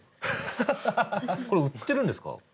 これ売ってるんですか？